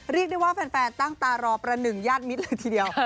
เรียกได้ว่าแฟนตั้งตารอประหนึ่งญาติมิตรเลยทีเดียว